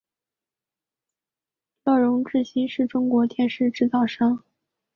乐融致新是中国的电视制造商。